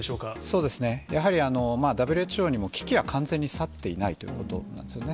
そうですね、やはりＷＨＯにも、危機は完全に去っていないということなんですよね。